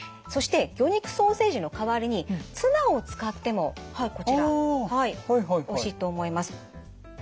そして魚肉ソーセージの代わりにツナを使ってもはいこちらおいしいと思います。